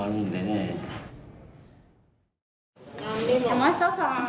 山下さん。